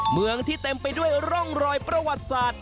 เมืองที่เต็มไปด้วยร่องรอยประวัติศาสตร์